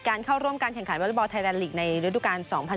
เข้าร่วมการแข่งขันวอเล็กบอลไทยแลนดลีกในฤดูกาล๒๐๑๖